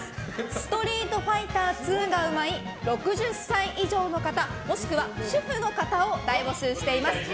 「ストリートファイター２」がうまい６０歳以上の方もしくは主婦の方を大募集しています。